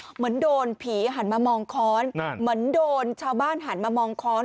เหมือนโดนผีหันมามองค้อนเหมือนโดนชาวบ้านหันมามองค้อน